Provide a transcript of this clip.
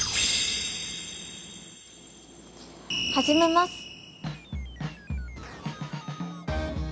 始めます！